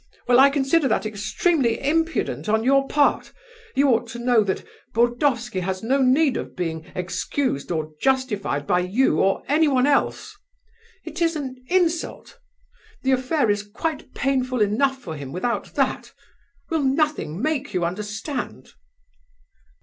Well, I consider that extremely impudent on your part! You ought to know that Burdovsky has no need of being excused or justified by you or anyone else! It is an insult! The affair is quite painful enough for him without that. Will nothing make you understand?"